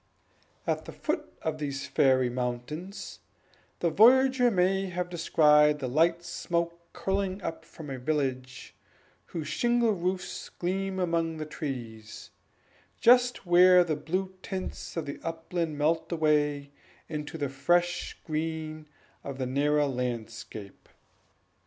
At the foot of these fairy mountains, the voyager may have descried the light smoke curling up from a village, whose shingle roofs gleam among the trees, just where the blue tints of the upland melt away into the fresh green of the nearer landscape.